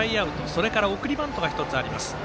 それから、送りバントがあります。